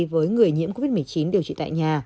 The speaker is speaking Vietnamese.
với người nhiễm covid một mươi chín điều trị tại nhà